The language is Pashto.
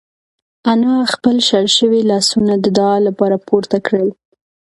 انا خپل شل شوي لاسونه د دعا لپاره پورته کړل.